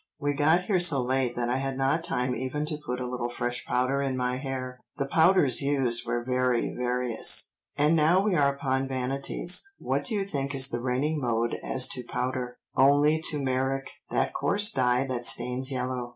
We got here so late that I had not time even to put a little fresh powder in my hair.'" The powders used were very various. "And now we are upon vanities, what do you think is the reigning mode as to powder? only tumerick, that coarse dye that stains yellow.